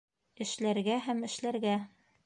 Эшләргә һәм эшләргә